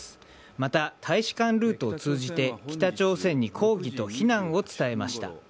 また、大使館ルートを通じて北朝鮮に抗議と非難を伝えました。